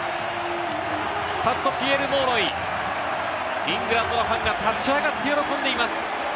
スタッド・ピエール・モーロイ、イングランドのファンが立ち上がって喜んでいます。